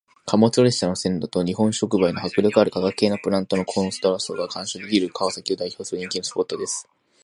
貨物列車の線路と日本触媒の迫力ある化学系のプラントのコントラストが鑑賞できる川崎を代表する人気のスポットです。